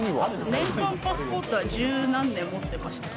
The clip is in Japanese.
年間パスポートは、十何年持ってました。